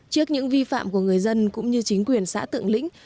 trước những vi phạm của người dân cũng như chính quyền xã tượng lĩnh